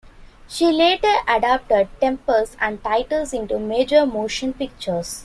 She later adapted "Tempest" and "Titus" into major motion pictures.